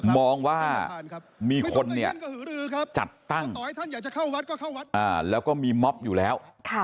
มองว่ามีคนจัดตั้งแล้วก็มีม็อบอยู่แล้ว